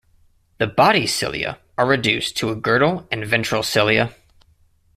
The body cilia are reduced to a girdle and ventral cilia.